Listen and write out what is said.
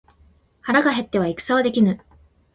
腹が減っては戦はできぬ